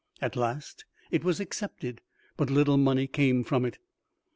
At last it was accepted, but little money came from it.